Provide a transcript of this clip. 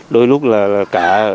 đôi lúc là cả